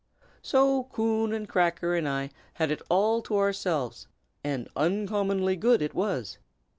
So Coon and Cracker and I had it all to ourselves, and uncommonly good it was.